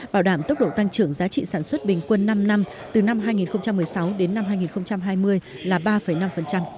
bảo đảm tốc độ tăng trưởng giá trị sản xuất bình quân năm năm từ năm hai nghìn một mươi sáu đến năm hai nghìn hai mươi là ba năm